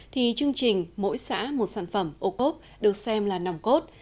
thì chương trình mỗi xã một sản phẩm ô cốp được xem là nòng cốt